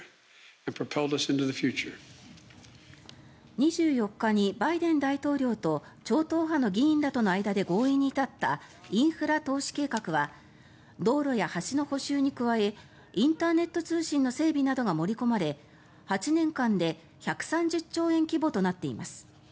２４日にバイデン大統領と超党派の議員らとの間で合意に至ったインフラ投資計画は道路や橋の補修に加えインターネット通信の整備などが盛り込まれ８年間で１３０兆円規模となっています。